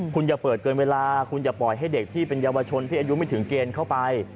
คุณอย่าเปิดเกินเวลาคุณอย่าปล่อยให้เด็กที่เป็นเยาวชนที่อายุไม่ถึงเกณฑ์เข้าไป